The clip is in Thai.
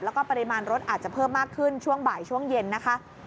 แล้วก็ปริมาณรถอาจจะเพิ่มมากขึ้นช่วงบ่ายช่วงเย็นนะคะ